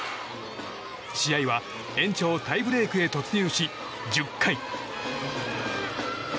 試合は延長タイブレークへ突入し１０回。